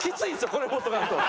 これ持っとかんと。